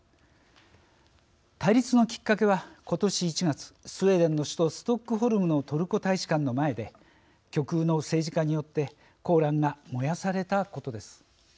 対立のきっかけは今年１月スウェーデンの首都ストックホルムのトルコ大使館の前で極右の政治家によってコーランが燃やされたことです。